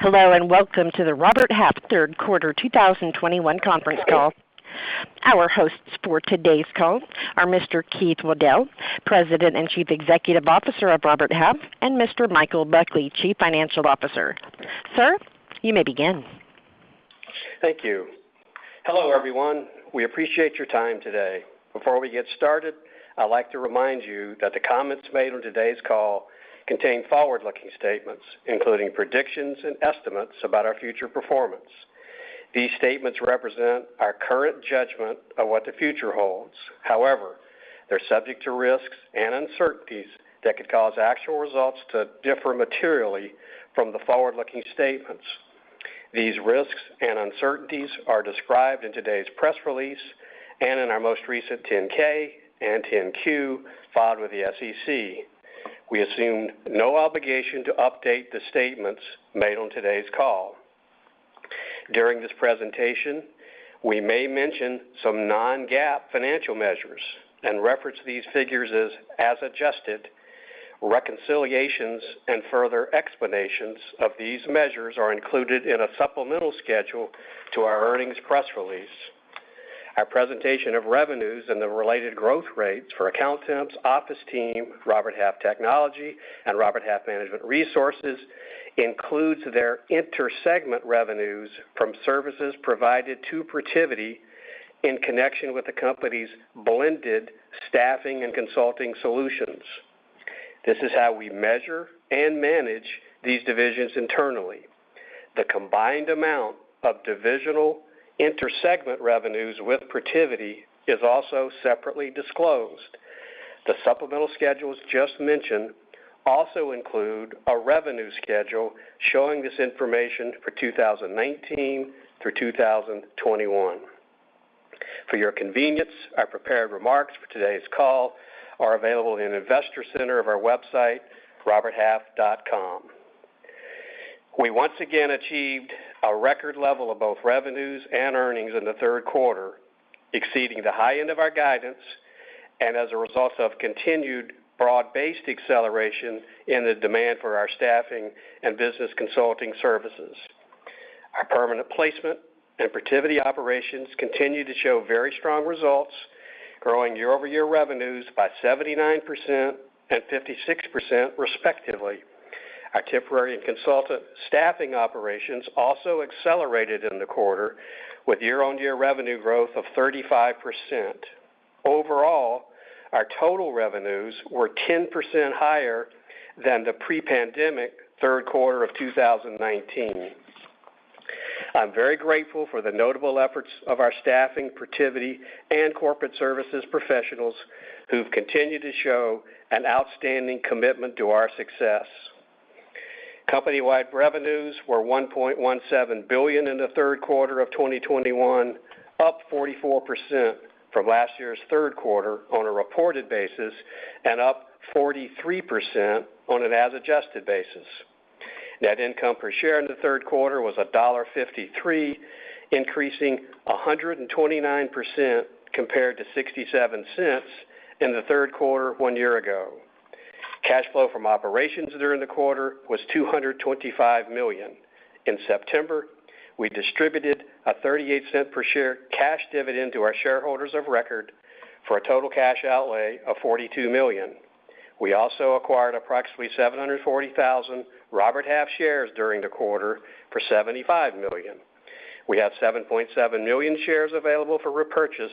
Hello, welcome to the Robert Half third quarter 2021 conference call. Our hosts for today's call are Mr. Keith Waddell, President and Chief Executive Officer of Robert Half, and Mr. Michael Buckley, Chief Financial Officer. Sir, you may begin. Thank you. Hello, everyone. We appreciate your time today. Before we get started, I'd like to remind you that the comments made on today's call contain forward-looking statements, including predictions and estimates about our future performance. These statements represent our current judgment of what the future holds. However, they're subject to risks and uncertainties that could cause actual results to differ materially from the forward-looking statements. These risks and uncertainties are described in today's press release and in our most recent 10-K and 10-Q filed with the SEC. We assume no obligation to update the statements made on today's call. During this presentation, we may mention some non-GAAP financial measures and reference these figures as adjusted. Reconciliations and further explanations of these measures are included in a supplemental schedule to our earnings press release. Our presentation of revenues and the related growth rates for Accountemps, OfficeTeam, Robert Half Technology, and Robert Half Management Resources includes their inter-segment revenues from services provided to Protiviti in connection with the company's blended staffing and consulting solutions. This is how we measure and manage these divisions internally. The combined amount of divisional inter-segment revenues with Protiviti is also separately disclosed. The supplemental schedules just mentioned also include a revenue schedule showing this information for 2019 through 2021. For your convenience, our prepared remarks for today's call are available in investor center of our website, roberthalf.com. We once again achieved a record level of both revenues and earnings in the third quarter, exceeding the high end of our guidance, and as a result of continued broad-based acceleration in the demand for our staffing and business consulting services. Our permanent placement and Protiviti operations continue to show very strong results, growing year-over-year revenues by 79% and 56%, respectively. Our temporary and consultant staffing operations also accelerated in the quarter with year-on-year revenue growth of 35%. Overall, our total revenues were 10% higher than the pre-pandemic third quarter of 2019. I'm very grateful for the notable efforts of our staffing, Protiviti, and corporate services professionals who've continued to show an outstanding commitment to our success. Company-wide revenues were $1.17 billion in the third quarter of 2021, up 44% from last year's third quarter on a reported basis, and up 43% on an as-adjusted basis. Net income per share in the third quarter was $1.53, increasing 129% compared to $0.67 in the third quarter one year ago. Cash flow from operations during the quarter was $225 million. In September, we distributed a $0.38 per share cash dividend to our shareholders of record for a total cash outlay of $42 million. We also acquired approximately 740,000 Robert Half shares during the quarter for $75 million. We have 7.7 million shares available for repurchase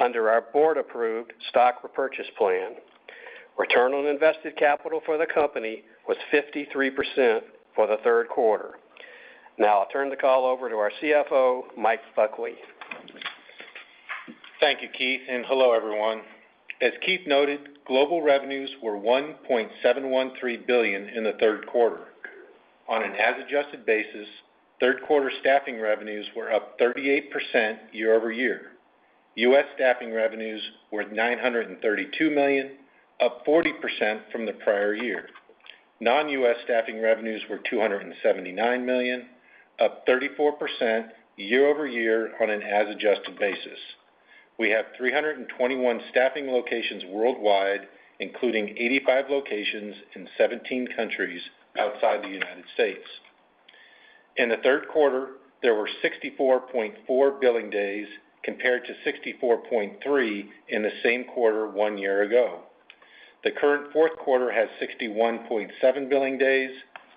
under our board-approved stock repurchase plan. Return on invested capital for the company was 53% for the third quarter. I'll turn the call over to our CFO, Mike Buckley. Thank you, Keith, and hello, everyone. As Keith noted, global revenues were $1.713 billion in the third quarter. On an as-adjusted basis, third quarter staffing revenues were up 38% year-over-year. U.S. staffing revenues were $932 million, up 40% from the prior year. Non-U.S. staffing revenues were $279 million, up 34% year-over-year on an as-adjusted basis. We have 321 staffing locations worldwide, including 85 locations in 17 countries outside the United States. In the third quarter, there were 64.4 billing days compared to 64.3 in the same quarter one year ago. The current fourth quarter has 61.7 billing days,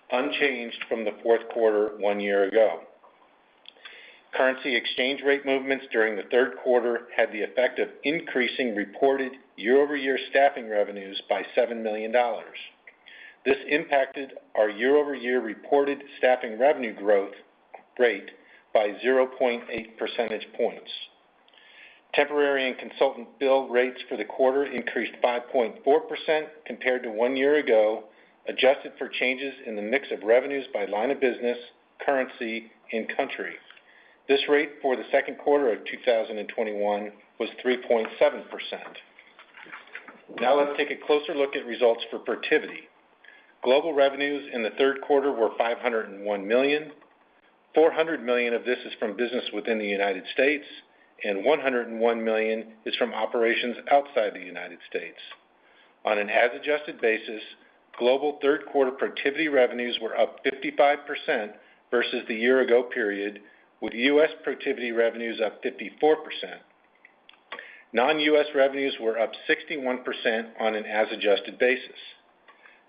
unchanged from the fourth quarter one year ago. Currency exchange rate movements during the third quarter had the effect of increasing reported year-over-year staffing revenues by $7 million. This impacted our year-over-year reported staffing revenue growth rate by 0.8 percentage points. Temporary and consultant bill rates for the quarter increased 5.4% compared to one year ago, adjusted for changes in the mix of revenues by line of business, currency, and country. This rate for the second quarter of 2021 was 3.7%. Now, let's take a closer look at results for Protiviti. Global revenues in the third quarter were $501 million. $400 million of this is from business within the United States and $101 million is from operations outside the United States. On an as-adjusted basis, global third quarter Protiviti revenues were up 55% versus the year-ago period, with U.S. Protiviti revenues up 54%. Non-U.S. revenues were up 61% on an as-adjusted basis.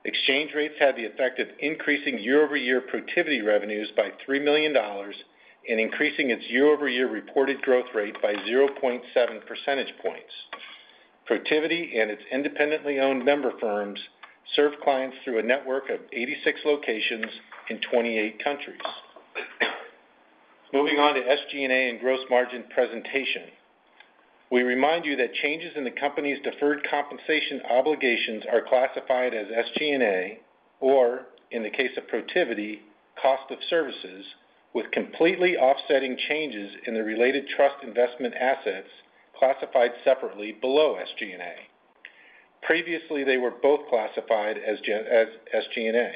Exchange rates had the effect of increasing year-over-year Protiviti revenues by $3 million and increasing its year-over-year reported growth rate by 0.7 percentage points. Protiviti and its independently owned member firms serve clients through a network of 86 locations in 28 countries. Moving on to SG&A and gross margin presentation. We remind you that changes in the company's deferred compensation obligations are classified as SG&A, or in the case of Protiviti, cost of services, with completely offsetting changes in the related trust investment assets classified separately below SG&A. Previously, they were both classified as SG&A.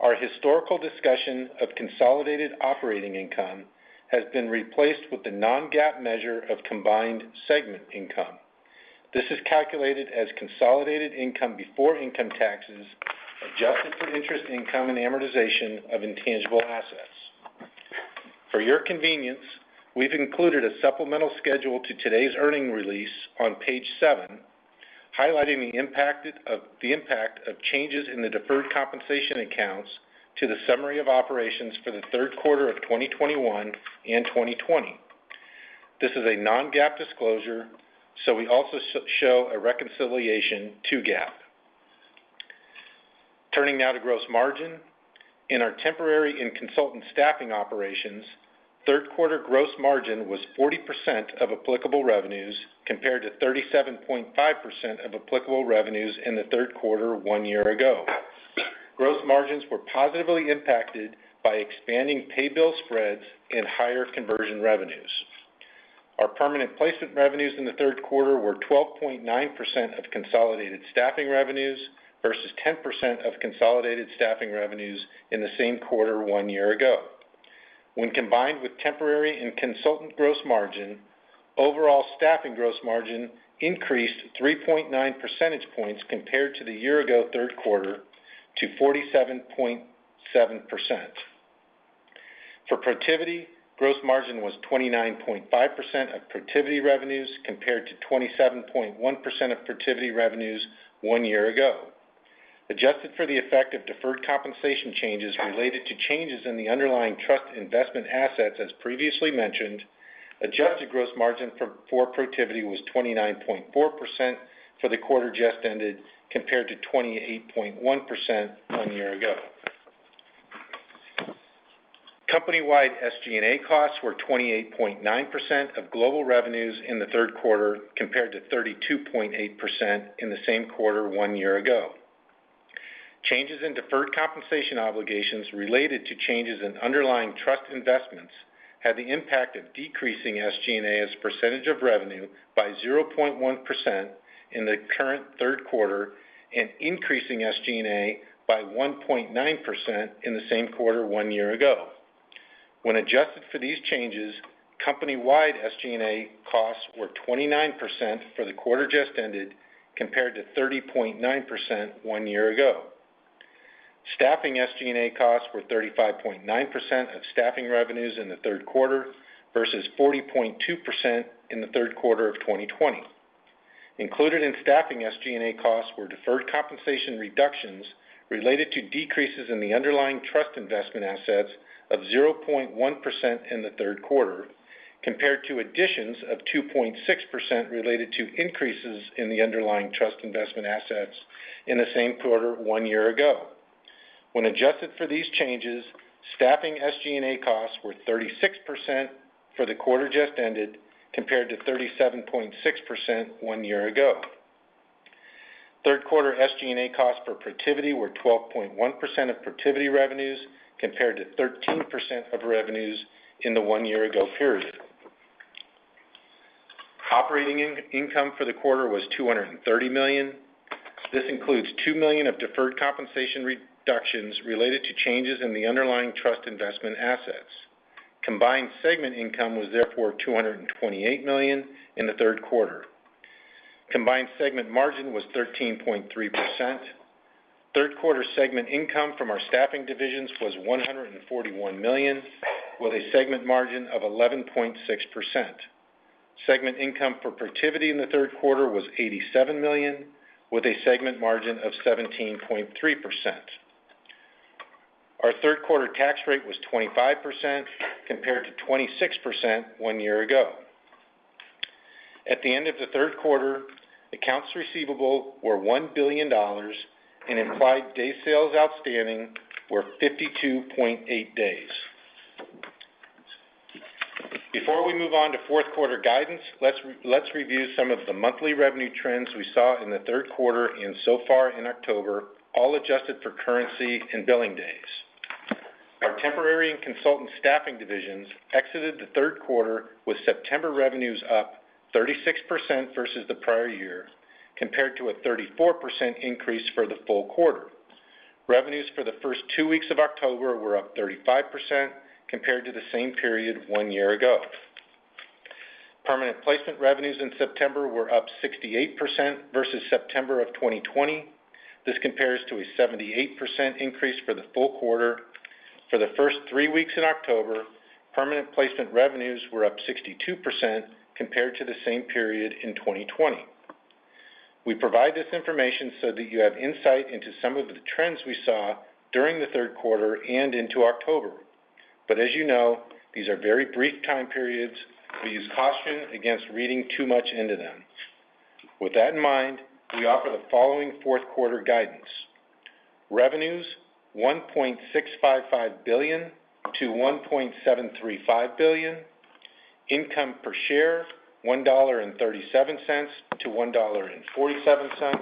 Our historical discussion of consolidated operating income has been replaced with the non-GAAP measure of combined segment income. This is calculated as consolidated income before income taxes, adjusted for interest income and amortization of intangible assets. For your convenience, we've included a supplemental schedule to today's earning release on page seven, highlighting the impact of changes in the deferred compensation accounts to the summary of operations for the third quarter of 2021 and 2020. This is a non-GAAP disclosure. We also show a reconciliation to GAAP. Turning now to gross margin. In our temporary and consultant staffing operations, third quarter gross margin was 40% of applicable revenues compared to 37.5% of applicable revenues in the third quarter one year ago. Gross margins were positively impacted by expanding pay bill spreads and higher conversion revenues. Our permanent placement revenues in the third quarter were 12.9% of consolidated staffing revenues versus 10% of consolidated staffing revenues in the same quarter one year ago. When combined with temporary and consultant gross margin, overall staffing gross margin increased 3.9 percentage points compared to the year-ago third quarter to 47.7%. For Protiviti, gross margin was 29.5% of Protiviti revenues compared to 27.1% of Protiviti revenues one year ago. Adjusted for the effect of deferred compensation changes related to changes in the underlying trust investment assets, as previously mentioned, adjusted gross margin for Protiviti was 29.4% for the quarter just ended compared to 28.1% one year ago. Company-wide SG&A costs were 28.9% of global revenues in the third quarter compared to 32.8% in the same quarter one year ago. Changes in deferred compensation obligations related to changes in underlying trust investments had the impact of decreasing SG&A as a percentage of revenue by 0.1% in the current third quarter and increasing SG&A by 1.9% in the same quarter one year ago. When adjusted for these changes, company-wide SG&A costs were 29% for the quarter just ended compared to 30.9% one year ago. Staffing SG&A costs were 35.9% of staffing revenues in the third quarter versus 40.2% in the third quarter of 2020. Included in staffing SG&A costs were deferred compensation reductions related to decreases in the underlying trust investment assets of 0.1% in the third quarter compared to additions of 2.6% related to increases in the underlying trust investment assets in the same quarter one year ago. When adjusted for these changes, staffing SG&A costs were 36% for the quarter just ended compared to 37.6% one year ago. Third quarter SG&A costs for Protiviti were 12.1% of Protiviti revenues compared to 13% of revenues in the one-year ago period. Operating income for the quarter was $230 million. This includes $2 million of deferred compensation reductions related to changes in the underlying trust investment assets. Combined segment income was therefore $228 million in the third quarter. Combined segment margin was 13.3%. Third quarter segment income from our staffing divisions was $141 million with a segment margin of 11.6%. Segment income for Protiviti in the third quarter was $87 million with a segment margin of 17.3%. Our third quarter tax rate was 25% compared to 26% one year ago. At the end of the third quarter, accounts receivable were $1 billion and implied day sales outstanding were 52.8 days. Before we move on to fourth quarter guidance, let's review some of the monthly revenue trends we saw in the third quarter and so far in October, all adjusted for currency and billing days. Our temporary and consultant staffing divisions exited the third quarter with September revenues up 36% versus the prior year compared to a 34% increase for the full quarter. Revenues for the first two weeks of October were up 35% compared to the same period one year ago. Permanent placement revenues in September were up 68% versus September of 2020. This compares to a 78% increase for the full quarter. For the first three weeks in October, permanent placement revenues were up 62% compared to the same period in 2020. We provide this information so that you have insight into some of the trends we saw during the third quarter and into October. As you know, these are very brief time periods. We use caution against reading too much into them. With that in mind, we offer the following fourth quarter guidance. Revenues, $1.655 billion-$1.735 billion. Income per share, $1.37-$1.47.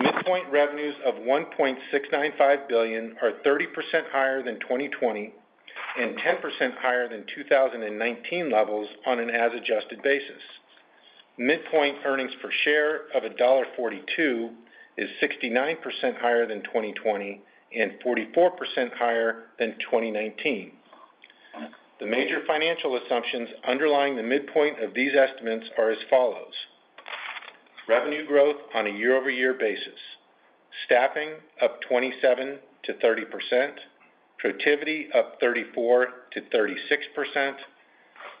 Midpoint revenues of $1.695 billion are 30% higher than 2020 and 10% higher than 2019 levels on an as-adjusted basis. Midpoint earnings per share of a $1.42 is 69% higher than 2020 and 44% higher than 2019. The major financial assumptions underlying the midpoint of these estimates are as follows. Revenue growth on a year-over-year basis: staffing up 27%-30%, Protiviti up 34%-36%,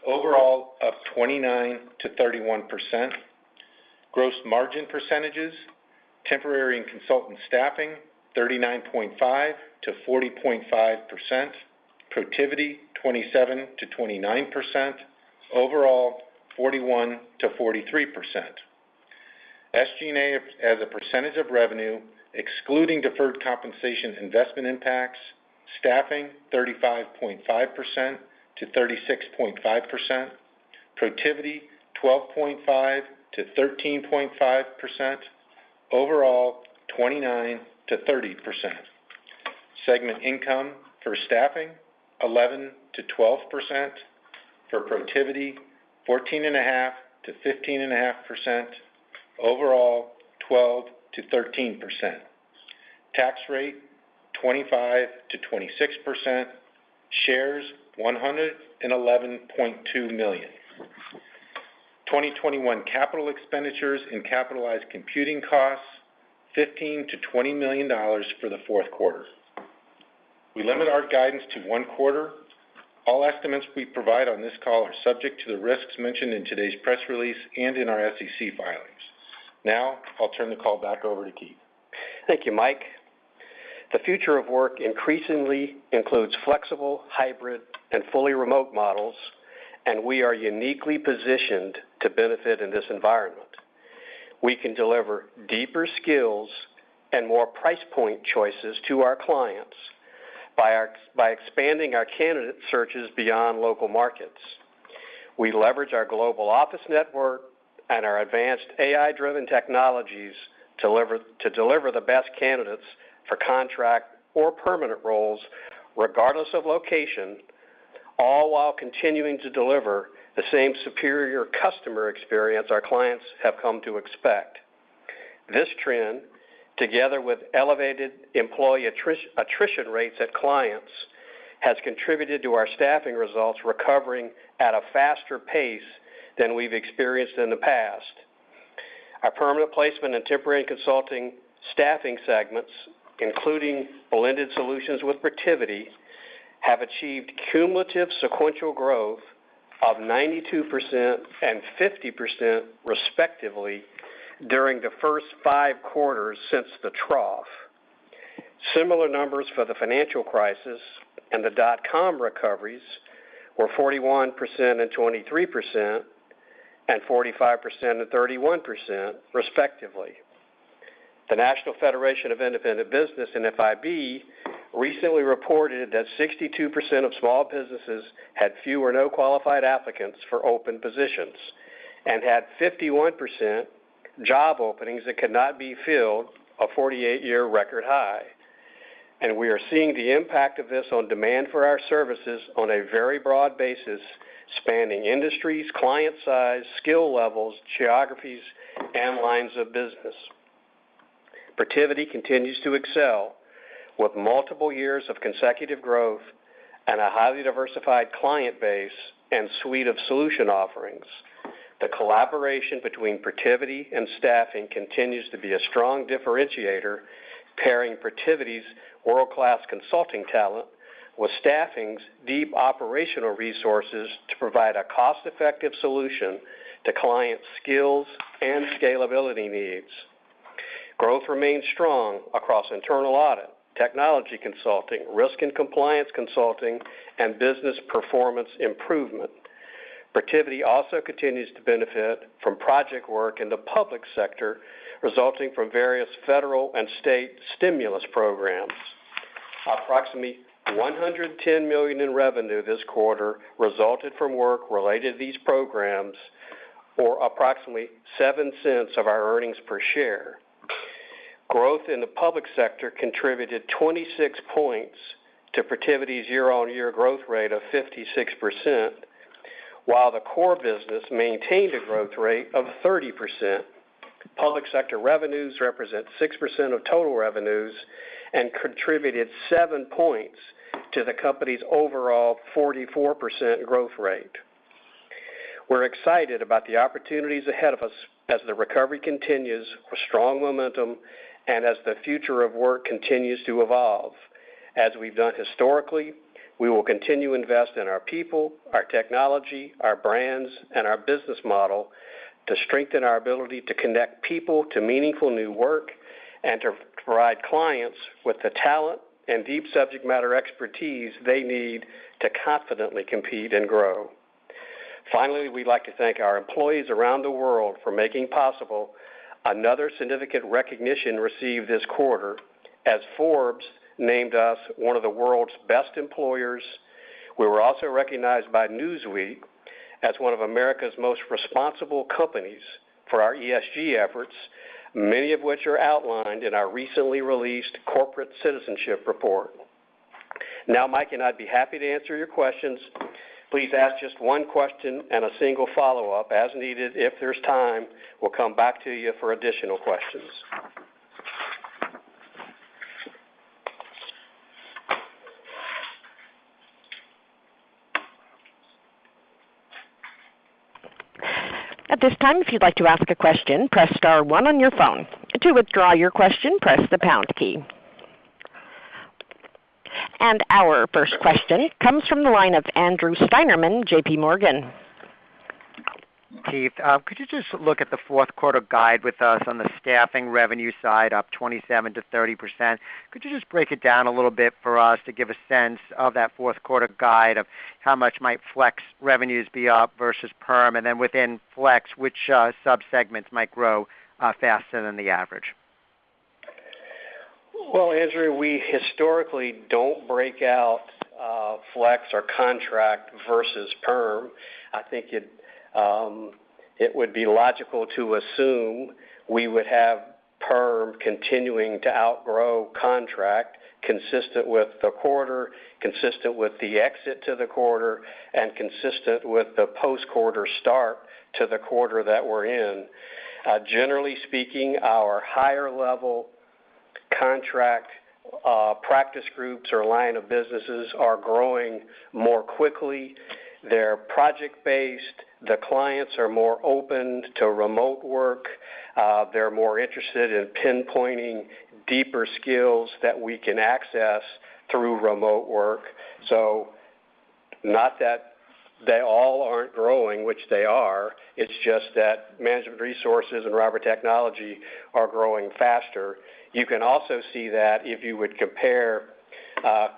overall up 29%-31%. Gross margin percentages: temporary and consultant staffing 39.5%-40.5%, Protiviti 27%-29%, overall 41%-43%. SG&A as a percentage of revenue excluding deferred compensation investment impacts: staffing 35.5%-36.5%, Protiviti 12.5%-13.5%, overall 29%-30%. Segment income: for staffing 11%-12%, for Protiviti 14.5%-15.5%, overall 12%-13%. Tax rate 25%-26%, shares 111.2 million. 2021 capital expenditures and capitalized computing costs $15 million-$20 million for the fourth quarter. We limit our guidance to one quarter. All estimates we provide on this call are subject to the risks mentioned in today's press release and in our SEC filings. Now, I'll turn the call back over to Keith. Thank you, Mike. The future of work increasingly includes flexible, hybrid, and fully remote models, and we are uniquely positioned to benefit in this environment. We can deliver deeper skills and more price point choices to our clients by expanding our candidate searches beyond local markets. We leverage our global office network and our advanced AI-driven technologies to deliver the best candidates for contract or permanent roles, regardless of location, all while continuing to deliver the same superior customer experience our clients have come to expect. This trend, together with elevated employee attrition rates at clients, has contributed to our staffing results recovering at a faster pace than we've experienced in the past. Our permanent placement in temporary and consulting staffing segments, including blended solutions with Protiviti, have achieved cumulative sequential growth of 92% and 50%, respectively, during the first five quarters since the trough. Similar numbers for the financial crisis and the dot-com recoveries were 41% and 23%, and 45% and 31%, respectively. The National Federation of Independent Business, NFIB, recently reported that 62% of small businesses had few or no qualified applicants for open positions and had 51% job openings that could not be filled, a 48-year record high. We are seeing the impact of this on demand for our services on a very broad basis, spanning industries, client size, skill levels, geographies, and lines of business. Protiviti continues to excel with multiple years of consecutive growth and a highly diversified client base and suite of solution offerings. The collaboration between Protiviti and staffing continues to be a strong differentiator, pairing Protiviti's world-class consulting talent with staffing's deep operational resources to provide a cost-effective solution to client skills and scalability needs. Growth remains strong across internal audit, technology consulting, risk and compliance consulting, and business performance improvement. Protiviti also continues to benefit from project work in the public sector, resulting from various federal and state stimulus programs. Approximately $110 million in revenue this quarter resulted from work related to these programs, or approximately $0.07 of our earnings per share. Growth in the public sector contributed 26 points to Protiviti's year-on-year growth rate of 56%, while the core business maintained a growth rate of 30%. Public sector revenues represent 6% of total revenues and contributed 7 points to the company's overall 44% growth rate. We're excited about the opportunities ahead of us as the recovery continues with strong momentum and as the future of work continues to evolve. As we've done historically, we will continue to invest in our people, our technology, our brands, and our business model to strengthen our ability to connect people to meaningful new work and to provide clients with the talent and deep subject matter expertise they need to confidently compete and grow. We'd like to thank our employees around the world for making possible another significant recognition received this quarter, as Forbes named us one of the world's best employers. We were also recognized by Newsweek as one of America's most responsible companies for our ESG efforts, many of which are outlined in our recently released corporate citizenship report. Mike and I'd be happy to answer your questions. Please ask just one question and a single follow-up as needed. If there's time, we'll come back to you for additional questions. At this time, if you'd like to ask a question, press star one on your phone. To withdraw your question, press the pound key. Our first question comes from the line of Andrew Steinerman, JPMorgan. Keith, could you just look at the fourth quarter guide with us on the staffing revenue side, up 27%-30%? Could you just break it down a little bit for us to give a sense of that fourth quarter guide of how much might flex revenues be up versus perm, and then within flex, which sub-segments might grow faster than the average? Well, Andrew, we historically don't break out flex or contract versus perm. I think it would be logical to assume we would have perm continuing to outgrow contract consistent with the quarter, consistent with the exit to the quarter, and consistent with the post-quarter start to the quarter that we're in. Generally speaking, our higher-level contract practice groups or line of businesses are growing more quickly. They're project-based. The clients are more open to remote work. They're more interested in pinpointing deeper skills that we can access through remote work. Not that they all aren't growing, which they are, it's just that Management Resources and Robert Half Technology are growing faster. You can also see that if you would compare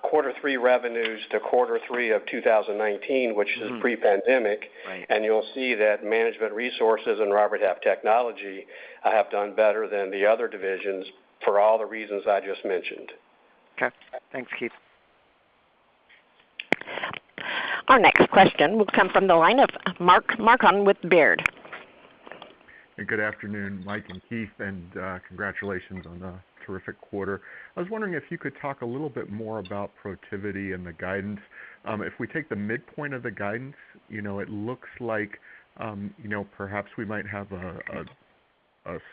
quarter three revenues to quarter three of 2019, which is pre-pandemic- Right.... you'll see that Management Resources and Robert Half Technology have done better than the other divisions for all the reasons I just mentioned. Okay. Thanks, Keith. Our next question will come from the line of Mark Marcon with Baird. Good afternoon, Mike and Keith, congratulations on the terrific quarter. I was wondering if you could talk a little bit more about Protiviti and the guidance. If we take the midpoint of the guidance, it looks like perhaps we might have a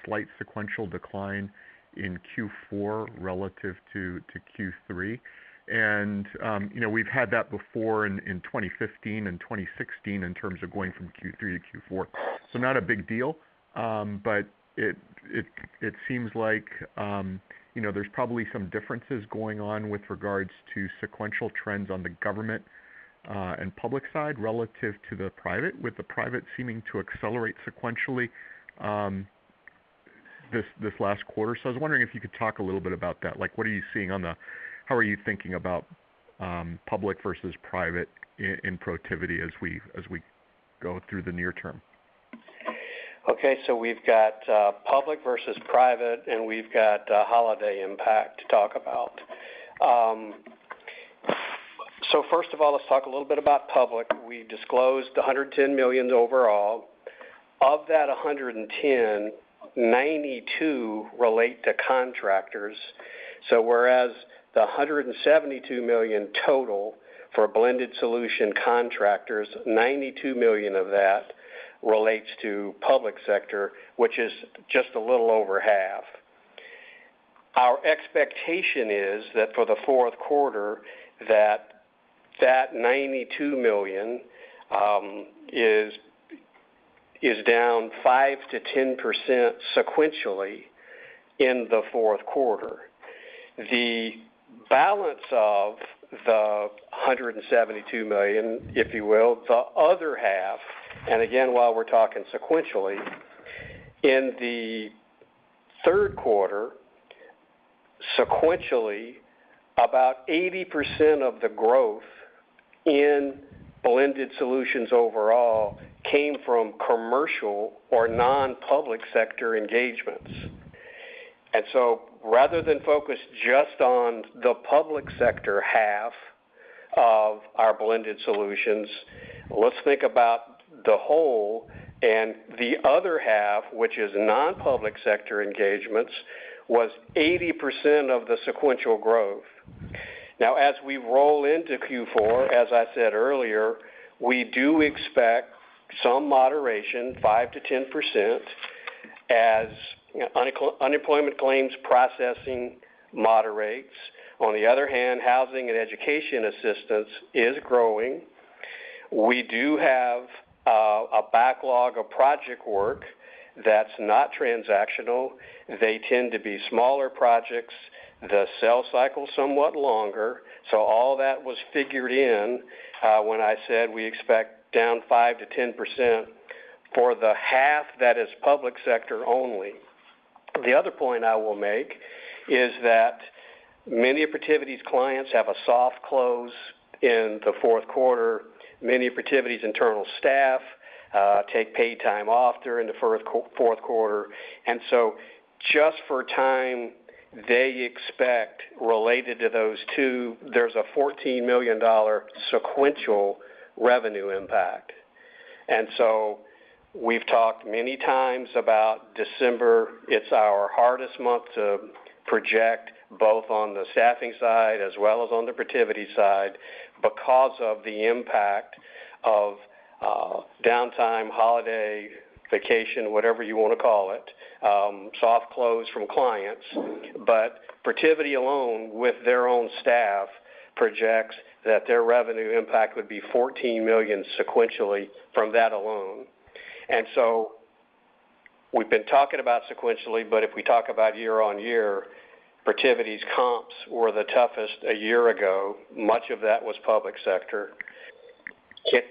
slight sequential decline in Q4 relative to Q3. We've had that before in 2015 and 2016 in terms of going from Q3 to Q4. Not a big deal, but it seems like there's probably some differences going on with regards to sequential trends on the government and public side relative to the private, with the private seeming to accelerate sequentially this last quarter. I was wondering if you could talk a little bit about that. How are you thinking about public versus private in Protiviti as we go through the near term? Okay. We've got public versus private, and we've got holiday impact to talk about. First of all, let's talk a little bit about public. We disclosed $110 million overall. Of that $110 million, $92 million relate to contractors. Whereas the $172 million total for blended solutions contractors, $92 million of that relates to public sector, which is just a little over half. Our expectation is that for the fourth quarter, that $92 million is down 5%-10% sequentially in the fourth quarter. The balance of the $172 million, if you will, the other half, and again, while we're talking sequentially, in the third quarter, sequentially, about 80% of the growth in blended solutions overall came from commercial or non-public sector engagements. Rather than focus just on the public sector half of our blended solutions, let's think about the whole. The other half, which is non-public sector engagements, was 80% of the sequential growth. As we roll into Q4, as I said earlier, we do expect some moderation, 5%-10%, as unemployment claims processing moderates. On the other hand, housing and education assistance is growing. We do have a backlog of project work that's not transactional. They tend to be smaller projects, the sell cycle is somewhat longer. All that was figured in when I said we expect down 5%-10% for the half that is public sector only. The other point I will make is that many of Protiviti's clients have a soft close in the fourth quarter. Many of Protiviti's internal staff take paid time off during the fourth quarter. Just for time they expect related to those two, there's a $14 million sequential revenue impact. We've talked many times about December. It's our hardest month to project, both on the staffing side as well as on the Protiviti side because of the impact of downtime, holiday, vacation, whatever you want to call it, soft close from clients. Protiviti alone, with their own staff, projects that their revenue impact would be $14 million sequentially from that alone. We've been talking about sequentially, but if we talk about year-over-year, Protiviti's comps were the toughest a year ago. Much of that was public sector.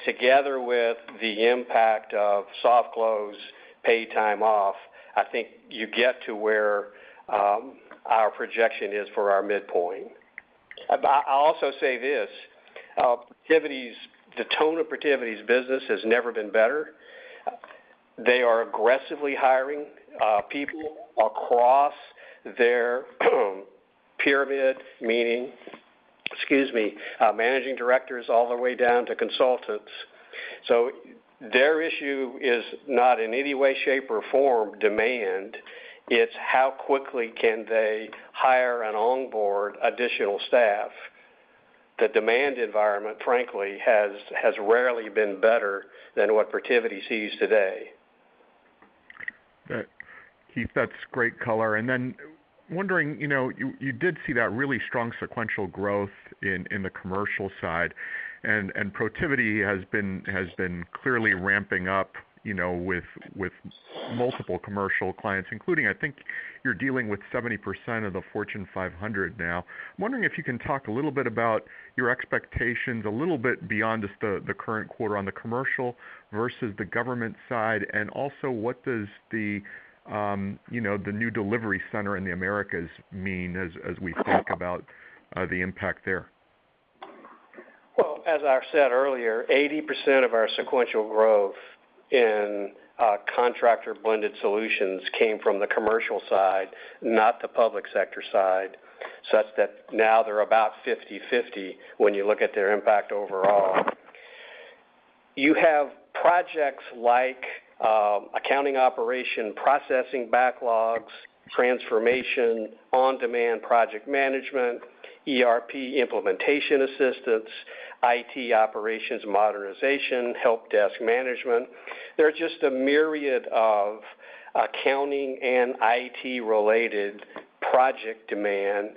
Together with the impact of soft close paid time off, I think you get to where our projection is for our midpoint. I'll also say this, the tone of Protiviti's business has never been better. They are aggressively hiring people across their pyramid, meaning, managing directors all the way down to consultants. Their issue is not in any way, shape, or form demand. It's how quickly can they hire and onboard additional staff. The demand environment, frankly, has rarely been better than what Protiviti sees today. Keith, that's great color. Wondering, you did see that really strong sequential growth in the commercial side, Protiviti has been clearly ramping up with multiple commercial clients, including, I think you're dealing with 70% of the Fortune 500 now. I'm wondering if you can talk a little bit about your expectations, a little bit beyond just the current quarter on the commercial versus the government side. Also, what does the new delivery center in the Americas mean as we think about the impact there? As I said earlier, 80% of our sequential growth in contractor blended solutions came from the commercial side, not the public sector side, such that now they're about 50/50 when you look at their impact overall. You have projects like accounting operation processing backlogs, transformation, on-demand project management, ERP implementation assistance, IT operations modernization, help desk management. There are just a myriad of accounting and IT-related project demand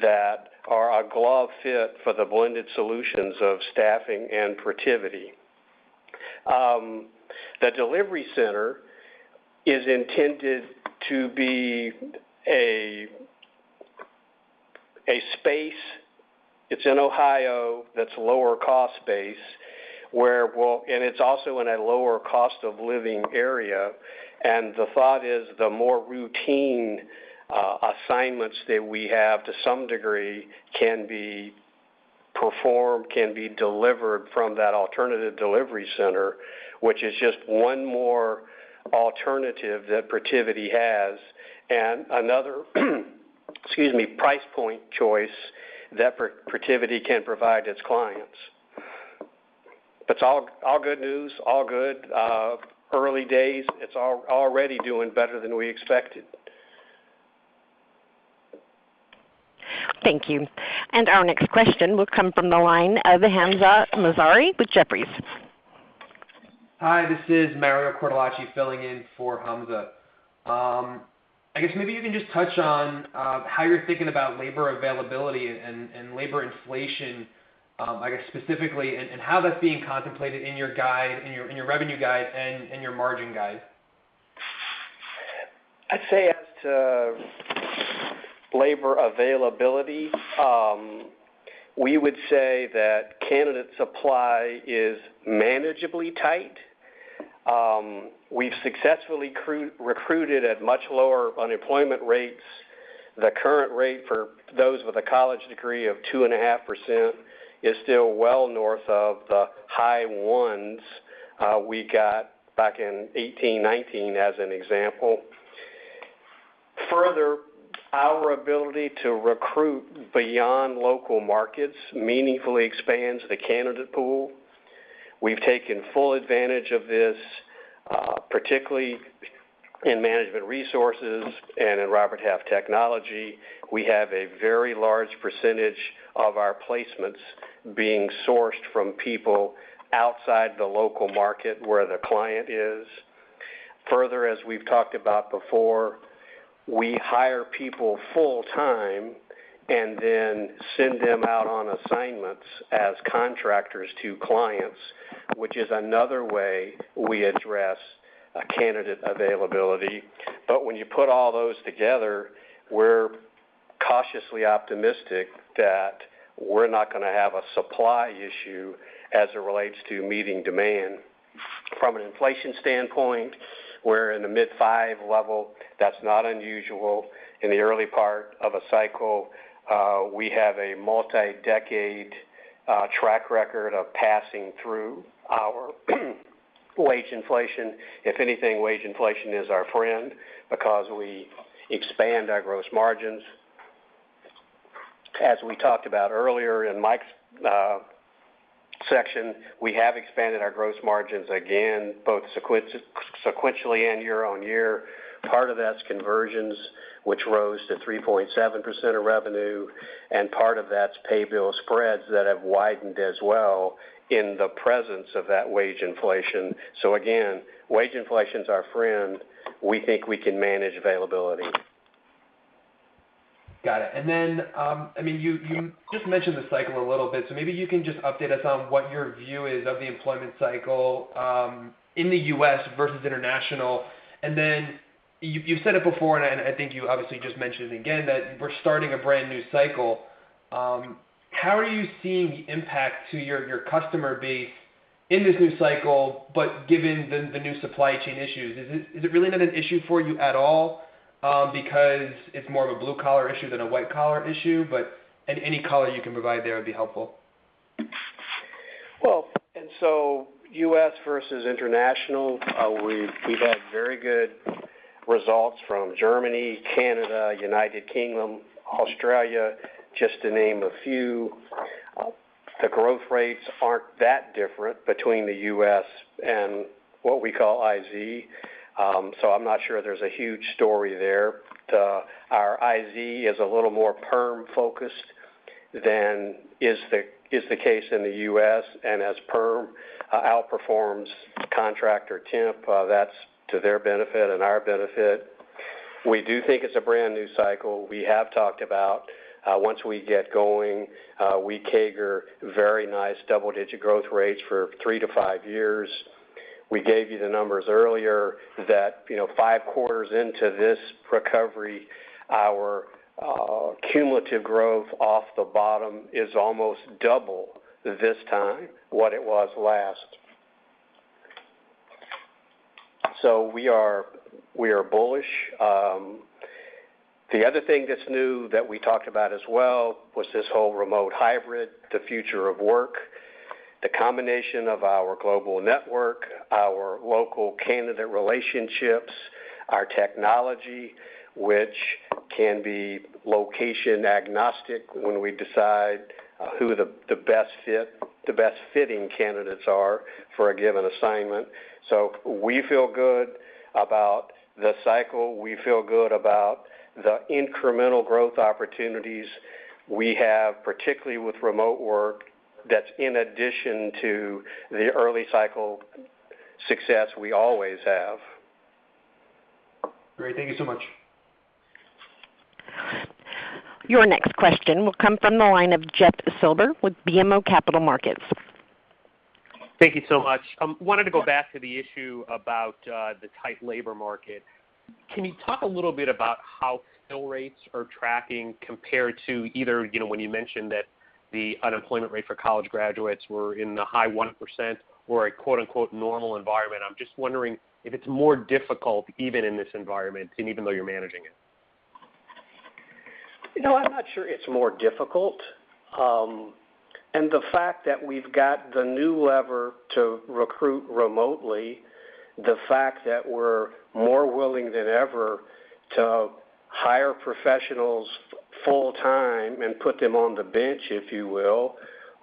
that are a glove fit for the blended solutions of staffing and Protiviti. The delivery center is intended to be a space. It's in Ohio. That's a lower cost base. It's also in a lower cost of living area. The thought is the more routine assignments that we have, to some degree, can be performed, can be delivered from that alternative delivery center, which is just one more alternative that Protiviti has, and another, price point choice that Protiviti can provide its clients. It's all good news, all good. Early days, it's already doing better than we expected. Thank you. Our next question will come from the line of Hamzah Mazari with Jefferies. Hi, this is Mario Cortellacci filling in for Hamzah. I guess maybe you can just touch on how you're thinking about labor availability and labor inflation, I guess specifically, and how that's being contemplated in your revenue guide and in your margin guide. I'd say as to labor availability, we would say that candidate supply is manageably tight. We've successfully recruited at much lower unemployment rates. The current rate for those with a college degree of 2.5% is still well north of the high ones we got back in 2018, 2019, as an example. Further, our ability to recruit beyond local markets meaningfully expands the candidate pool. We've taken full advantage of this, particularly in Management Resources and in Robert Half Technology. We have a very large percentage of our placements being sourced from people outside the local market where the client is. Further, as we've talked about before, we hire people full-time and then send them out on assignments as contractors to clients, which is another way we address candidate availability. When you put all those together, we're cautiously optimistic that we're not going to have a supply issue as it relates to meeting demand. From an inflation standpoint, we're in the mid-5% level. That's not unusual in the early part of a cycle. We have a multi-decade track record of passing through our wage inflation. If anything, wage inflation is our friend because we expand our gross margins. As we talked about earlier in Mike's section, we have expanded our gross margins again, both sequentially and year-on-year. Part of that's conversions, which rose to 3.7% of revenue, and part of that's pay bill spreads that have widened as well in the presence of that wage inflation. Again, wage inflation is our friend. We think we can manage availability. Got it. You just mentioned the cycle a little bit, so maybe you can just update us on what your view is of the employment cycle in the U.S. versus international. You've said it before, and I think you obviously just mentioned it again, that we're starting a brand-new cycle. How are you seeing the impact to your customer base in this new cycle, but given the new supply chain issues? Is it really not an issue for you at all because it's more of a blue-collar issue than a white-collar issue? Any color you can provide there would be helpful. Well, U.S. versus international, we've had very good results from Germany, Canada, United Kingdom, Australia, just to name a few. The growth rates aren't that different between the U.S. and what we call IZ, so I'm not sure there's a huge story there. Our IZ is a little more perm-focused than is the case in the U.S., and as perm outperforms contract or temp, that's to their benefit and our benefit. We do think it's a brand-new cycle. We have talked about once we get going, we CAGR very nice double-digit growth rates for three to five years. We gave you the numbers earlier that five quarters into this recovery, our cumulative growth off the bottom is almost double this time, what it was last. We are bullish. The other thing that's new that we talked about as well was this whole remote hybrid, the future of work. The combination of our global network, our local candidate relationships, our technology, which can be location agnostic when we decide who the best fitting candidates are for a given assignment. We feel good about the cycle. We feel good about the incremental growth opportunities we have, particularly with remote work, that's in addition to the early cycle success we always have. Great. Thank you so much. Your next question will come from the line of Jeff Silber with BMO Capital Markets. Thank you so much. I wanted to go back to the issue about the tight labor market. Can you talk a little bit about how bill rates are tracking compared to either, when you mentioned that the unemployment rate for college graduates were in the high 1% or a quote unquote "normal environment"? I'm just wondering if it's more difficult even in this environment, and even though you're managing it. I'm not sure it's more difficult. The fact that we've got the new lever to recruit remotely, the fact that we're more willing than ever to hire professionals full time and put them on the bench, if you will,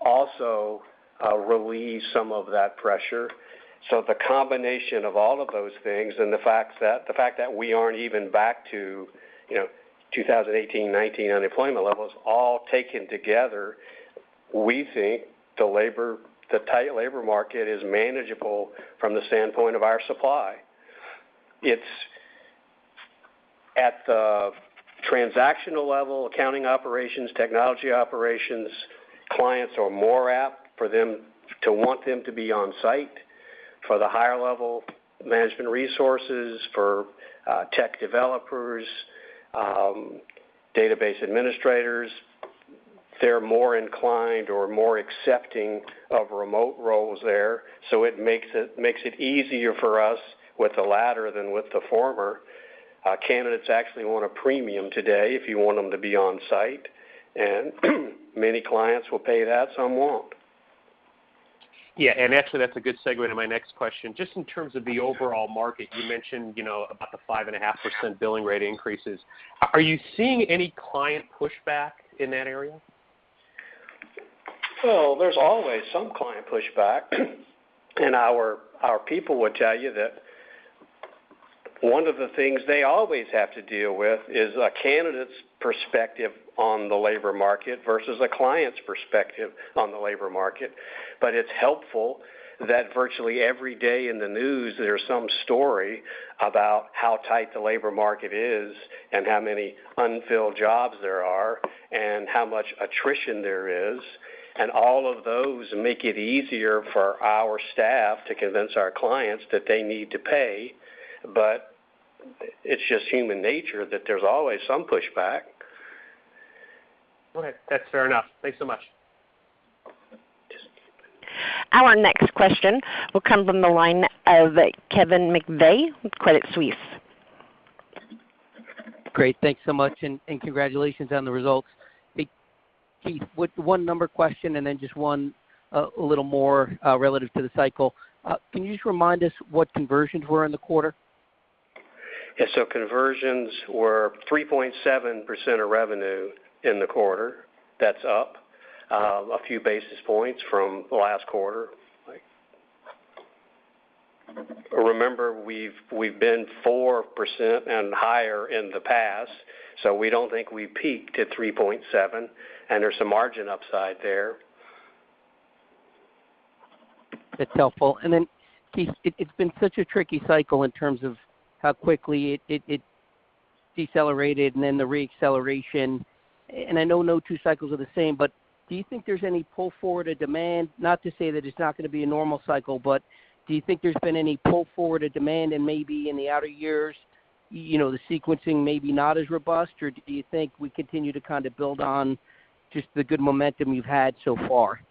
also relieves some of that pressure. The combination of all of those things and the fact that we aren't even back to 2018, 2019 unemployment levels, all taken together, we think the tight labor market is manageable from the standpoint of our supply. It's at the transactional level, accounting operations, technology operations, clients are more apt for them to want them to be on-site. For the higher level management resources, for tech developers, database administrators, they're more inclined or more accepting of remote roles there. It makes it easier for us with the latter than with the former. Candidates actually want a premium today if you want them to be on-site. Many clients will pay that, some won't. Actually, that's a good segue to my next question. Just in terms of the overall market, you mentioned about the 5.5% billing rate increases. Are you seeing any client pushback in that area? Well, there's always some client pushback. Our people would tell you that one of the things they always have to deal with is a candidate's perspective on the labor market versus a client's perspective on the labor market. It's helpful that virtually every day in the news, there's some story about how tight the labor market is and how many unfilled jobs there are, and how much attrition there is. All of those make it easier for our staff to convince our clients that they need to pay. It's just human nature that there's always some pushback. Okay. That's fair enough. Thanks so much. Our next question will come from the line of Kevin McVeigh with Credit Suisse. Great. Thanks so much, and congratulations on the results. Hey, Keith, one number question, and then just one little more relative to the cycle. Can you just remind us what conversions were in the quarter? Conversions were 3.7% of revenue in the quarter. That's up a few basis points from last quarter. Remember, we've been 4% and higher in the past, we don't think we peaked at 3.7%, and there's some margin upside there. That's helpful. Keith, it's been such a tricky cycle in terms of how quickly it decelerated and then the re-acceleration. I know no two cycles are the same, but do you think there's any pull forward or demand? Not to say that it's not going to be a normal cycle, but do you think there's been any pull forward or demand and maybe in the outer years, the sequencing may be not as robust? Do you think we continue to build on just the good momentum you've had so far?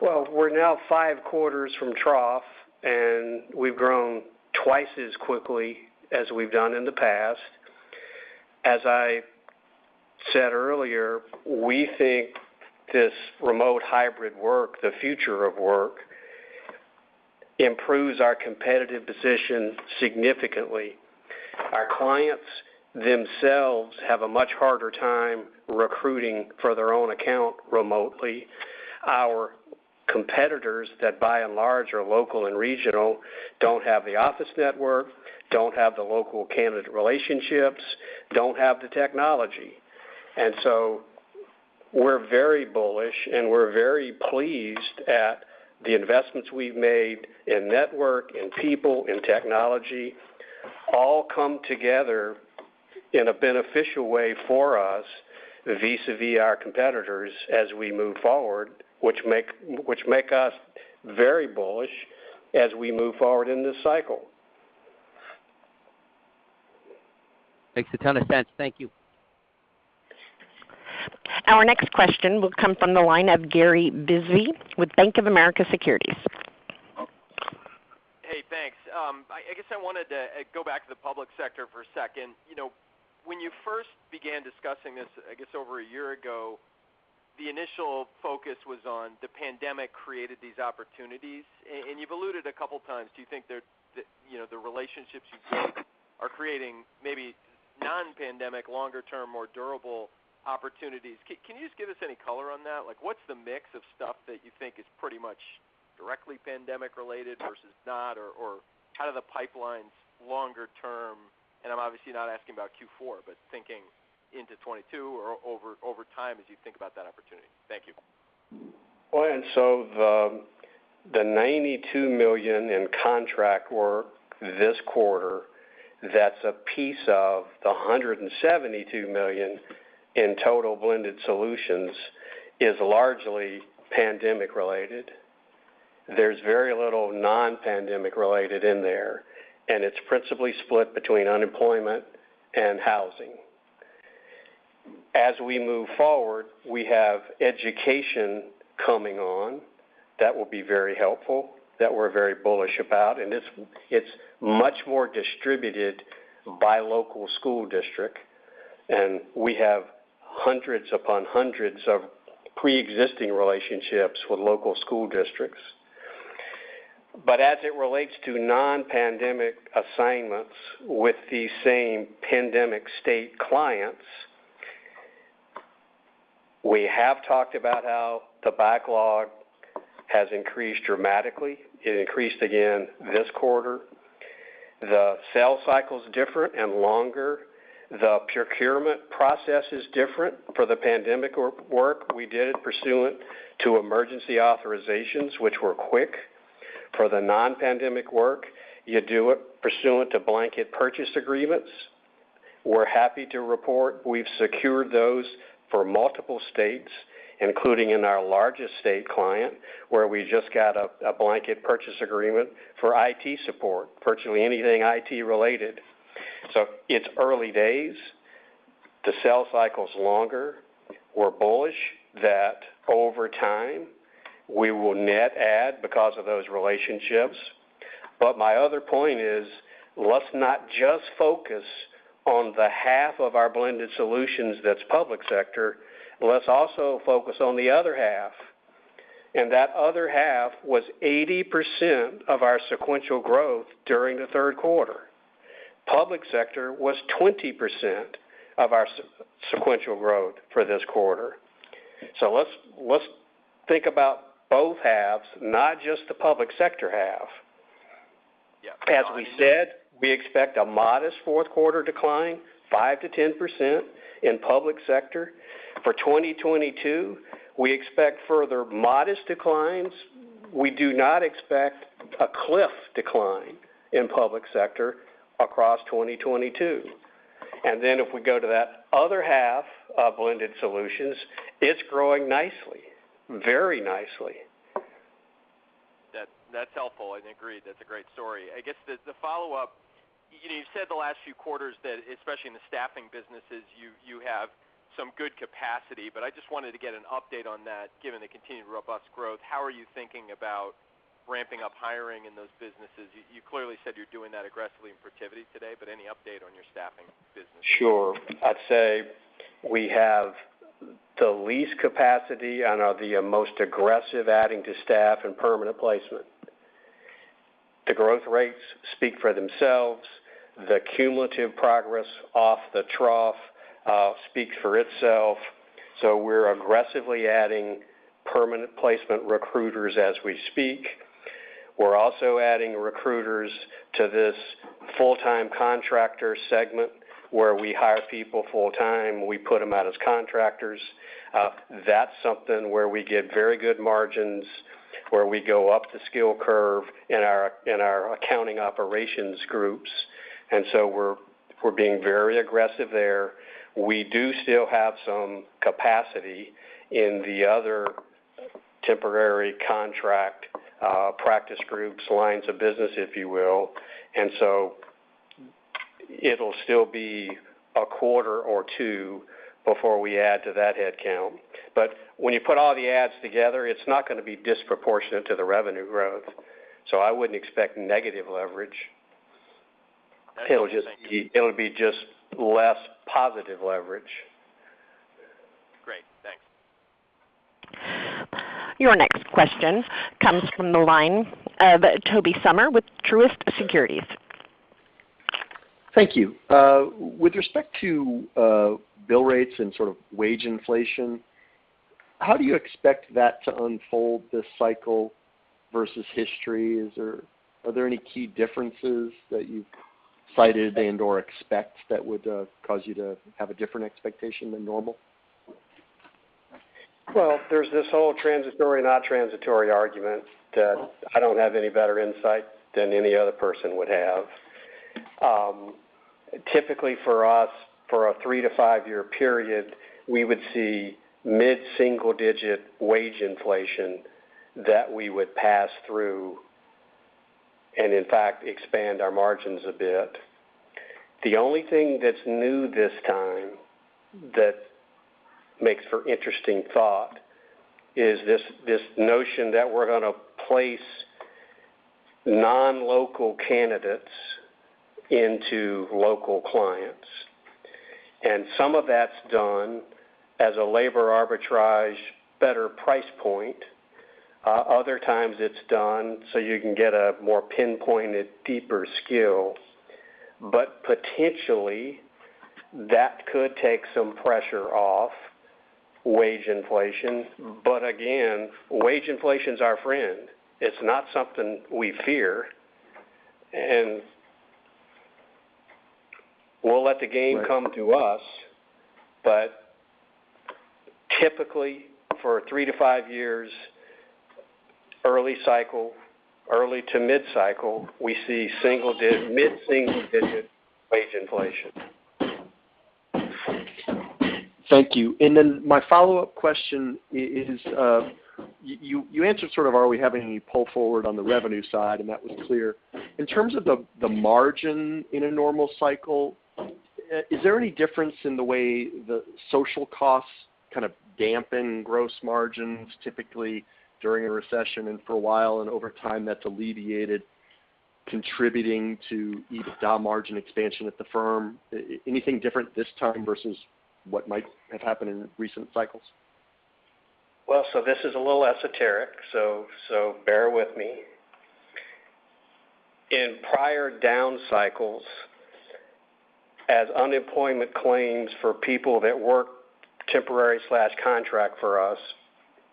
Well, we're now five quarters from trough, and we've grown twice as quickly as we've done in the past. As I said earlier, we think this remote hybrid work, the future of work, improves our competitive position significantly. Our clients themselves have a much harder time recruiting for their own account remotely. Our competitors that by and large are local and regional, don't have the office network, don't have the local candidate relationships, don't have the technology. We're very bullish and we're very pleased at the investments we've made in network, in people, in technology, all come together in a beneficial way for us vis-à-vis our competitors as we move forward, which make us very bullish as we move forward in this cycle. Makes a ton of sense. Thank you. Our next question will come from the line of Gary Bisbee with Bank of America Securities. Hey, thanks. I guess I wanted to go back to the public sector for a second. When you first began discussing this, I guess over a year ago, the initial focus was on the pandemic created these opportunities, and you've alluded a couple of times, do you think the relationships you are creating maybe non-pandemic, longer term, more durable opportunities? Can you just give us any color on that? What's the mix of stuff that you think is pretty much directly pandemic-related versus not, or how are the pipelines longer term? I'm obviously not asking about Q4, but thinking into 2022 or over time as you think about that opportunity. Thank you. Well, the $92 million in contract work this quarter, that's a piece of the $172 million in total blended solutions, is largely pandemic-related. There's very little non-pandemic-related in there, and it's principally split between unemployment and housing. As we move forward, we have education coming on. That will be very helpful, that we're very bullish about, and it's much more distributed by local school district, and we have hundreds upon hundreds of pre-existing relationships with local school districts. As it relates to non-pandemic assignments with the same pandemic state clients, we have talked about how the backlog has increased dramatically. It increased again this quarter. The sales cycle is different and longer. The procurement process is different for the pandemic work. We did it pursuant to emergency authorizations, which were quick. For the non-pandemic work, you do it pursuant to blanket purchase agreements. We're happy to report we've secured those for multiple states, including in our largest state client, where we just got a blanket purchase agreement for IT support, virtually anything IT related. It's early days. The sell cycle's longer. We're bullish that over time we will net add because of those relationships. My other point is, let's not just focus on the half of our blended solutions that's public sector. Let's also focus on the other half. That other half was 80% of our sequential growth during the third quarter. Public sector was 20% of our sequential growth for this quarter. Let's think about both halves, not just the public sector half. As we said, we expect a modest fourth quarter decline, 5%-10% in public sector. For 2022, we expect further modest declines. We do not expect a cliff decline in public sector across 2022. If we go to that other half of blended solutions, it's growing nicely. Very nicely. That's helpful. Agreed, that's a great story. I guess the follow-up, you've said the last few quarters that, especially in the staffing businesses, you have some good capacity. I just wanted to get an update on that, given the continued robust growth. How are you thinking about ramping up hiring in those businesses? You clearly said you're doing that aggressively in Protiviti today, but any update on your staffing business? Sure. I'd say we have the least capacity and are the most aggressive adding to staff and permanent placement. The growth rates speak for themselves. The cumulative progress off the trough speaks for itself. We're aggressively adding permanent placement recruiters as we speak. We're also adding recruiters to this full-time contractor segment, where we hire people full time, we put them out as contractors. That's something where we get very good margins, where we go up the skill curve in our accounting operations groups. We're being very aggressive there. We do still have some capacity in the other temporary contract practice groups, lines of business, if you will. It'll still be a quarter or two before we add to that headcount. When you put all the ads together, it's not going to be disproportionate to the revenue growth. I wouldn't expect negative leverage. That's interesting. It'll be just less positive leverage. Great, thanks. Your next question comes from the line of Tobey Sommer with Truist Securities. Thank you. With respect to bill rates and sort of wage inflation, how do you expect that to unfold this cycle versus history? Are there any key differences that you've cited and/or expect that would cause you to have a different expectation than normal? Well, there's this whole transitory, not transitory argument that I don't have any better insight than any other person would have. Typically for us, for a three- to five-year period, we would see mid-single-digit wage inflation that we would pass through and in fact, expand our margins a bit. The only thing that's new this time that makes for interesting thought is this notion that we're going to place non-local candidates into local clients. Some of that's done as a labor arbitrage better price point. Other times it's done so you can get a more pinpointed, deeper skill. Potentially, that could take some pressure off wage inflation. Again, wage inflation is our friend. It's not something we fear. We'll let the game come to us. Typically, for three to five years, early cycle, early to mid-cycle, we see mid-single-digit wage inflation. Thank you. My follow-up question is, you answered sort of are we having any pull forward on the revenue side, and that was clear. In terms of the margin in a normal cycle, is there any difference in the way the social costs kind of dampen gross margins, typically during a recession, and for a while and over time, that's alleviated contributing to EBITDA margin expansion at the firm? Anything different this time versus what might have happened in recent cycles? This is a little esoteric, so bear with me. In prior down cycles, as unemployment claims for people that work temporary/contract for us,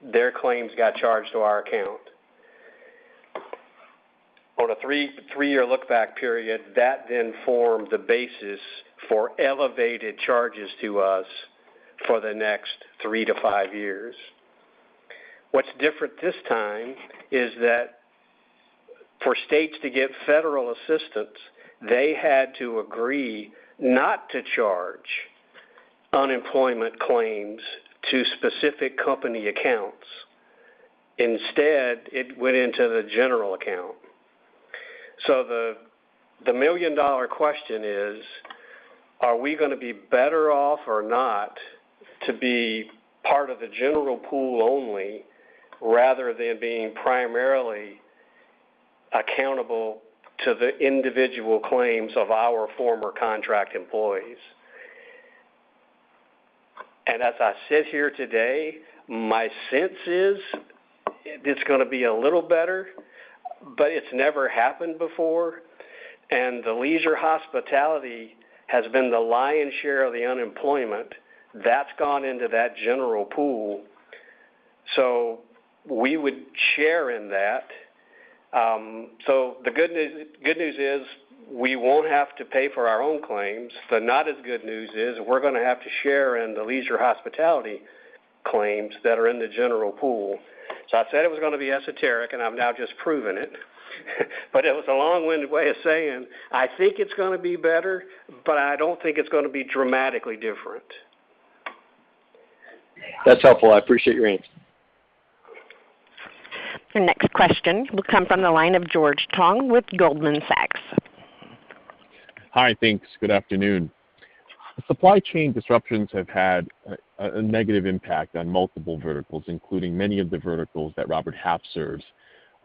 their claims got charged to our account. On a three-year look back period, that then formed the basis for elevated charges to us for the next three to five years. What's different this time is that for states to get federal assistance, they had to agree not to charge unemployment claims to specific company accounts. Instead, it went into the general account. The million dollar question is, are we going to be better off or not to be part of the general pool only rather than being primarily accountable to the individual claims of our former contract employees? As I sit here today, my sense is it's going to be a little better, but it's never happened before. The leisure hospitality has been the lion's share of the unemployment. That's gone into that general pool. We would share in that. The good news is we won't have to pay for our own claims. The not as good news is we're going to have to share in the leisure hospitality claims that are in the general pool. I said it was going to be esoteric, and I've now just proven it. It was a long-winded way of saying, I think it's going to be better, but I don't think it's going to be dramatically different. That's helpful. I appreciate your answer. The next question will come from the line of George Tong with Goldman Sachs. Hi, thanks. Good afternoon. Supply chain disruptions have had a negative impact on multiple verticals, including many of the verticals that Robert Half serves.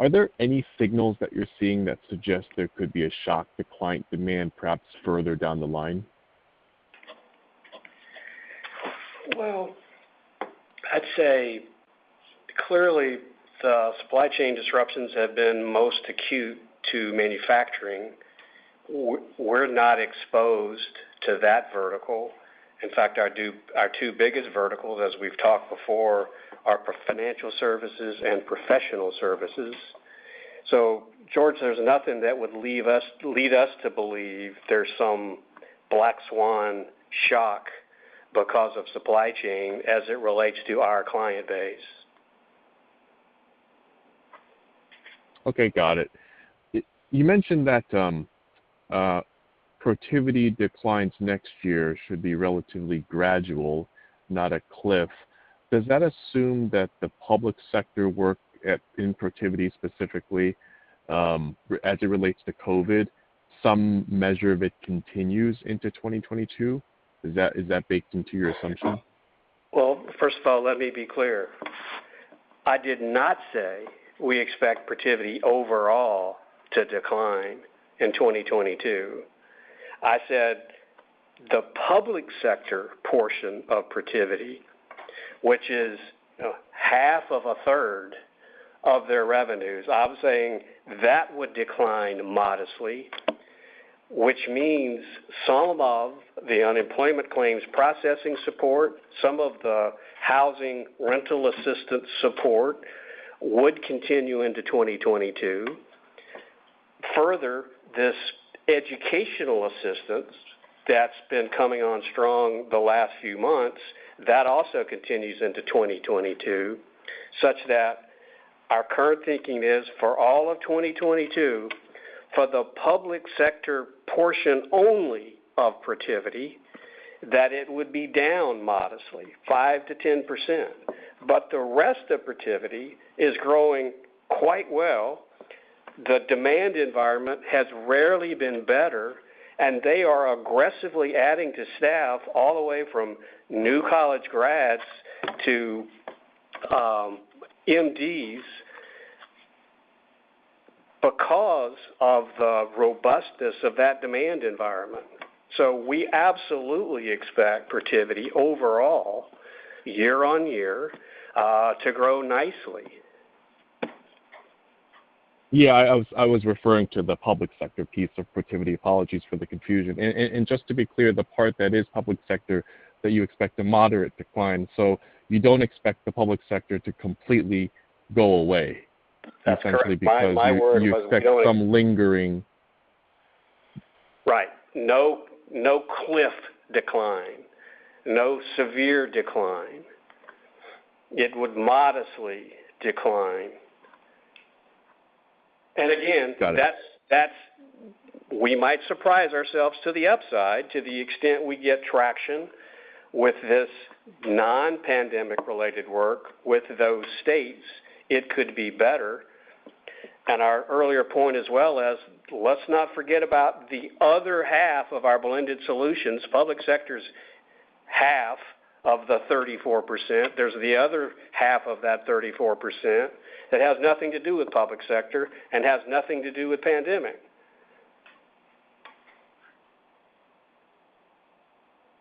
Are there any signals that you're seeing that suggest there could be a shock to client demand, perhaps further down the line? Well, I'd say clearly the supply chain disruptions have been most acute to manufacturing. We're not exposed to that vertical. In fact, our two biggest verticals, as we've talked before, are financial services and professional services. George, there's nothing that would lead us to believe there's some black swan shock because of supply chain as it relates to our client base. Okay, got it. You mentioned that Protiviti declines next year should be relatively gradual, not a cliff. Does that assume that the public sector work in Protiviti specifically, as it relates to COVID, some measure of it continues into 2022? Is that baked into your assumption? Well, first of all, let me be clear. I did not say we expect Protiviti overall to decline in 2022. I said the public sector portion of Protiviti, which is half of a third of their revenues. I'm saying that would decline modestly, which means some of the unemployment claims processing support, some of the housing rental assistance support would continue into 2022. This educational assistance that's been coming on strong the last few months, that also continues into 2022, such that our current thinking is for all of 2022, for the public sector portion only of Protiviti, that it would be down modestly 5%-10%. The rest of Protiviti is growing quite well. The demand environment has rarely been better, and they are aggressively adding to staff all the way from new college grads to MDs because of the robustness of that demand environment. We absolutely expect Protiviti overall, year-on-year, to grow nicely. I was referring to the public sector piece of Protiviti. Apologies for the confusion. Just to be clear, the part that is public sector that you expect a moderate decline. You don't expect the public sector to completely go away. That's correct. Essentially because you expect some lingering- Right. No cliff decline. No severe decline. It would modestly decline. Got it. We might surprise ourselves to the upside to the extent we get traction with this non-pandemic related work with those states, it could be better. Our earlier point as well as let's not forget about the other half of our blended solutions. Public sector's half of the 34%. There's the other half of that 34% that has nothing to do with public sector and has nothing to do with pandemic.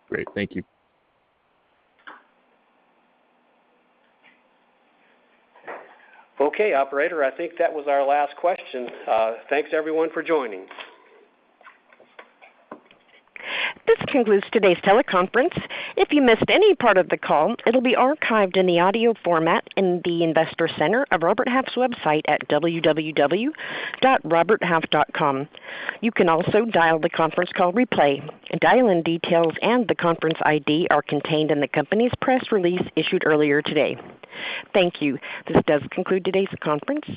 Great. Thank you. Okay, operator, I think that was our last question. Thanks everyone for joining. This concludes today's teleconference. If you missed any part of the call, it'll be archived in the audio format in the Investor Center of Robert Half's website at www.roberthalf.com. You can also dial the conference call replay. Dial-in details and the conference ID are contained in the company's press release issued earlier today. Thank you. This does conclude today's conference.